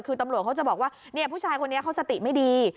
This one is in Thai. คือตำรวจเขาจะบอกว่าผู้ชายคนนี้เขาสติไม่ดี